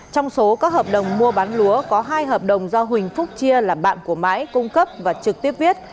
trong số các hợp đồng mua bán lúa có hai hợp đồng do huỳnh phúc chia làm bạn của mãi cung cấp và trực tiếp viết